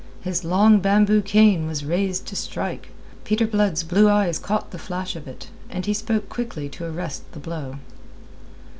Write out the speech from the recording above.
His long bamboo cane was raised to strike. Peter Blood's blue eyes caught the flash of it, and he spoke quickly to arrest the blow.